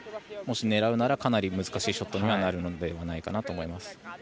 もし狙うなら、かなり難しいショットになるのではと思います。